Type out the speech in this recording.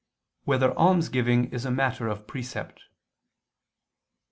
5] Whether Almsgiving Is a Matter of Precept?